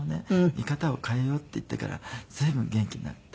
見方を変えようっていってから随分元気になって。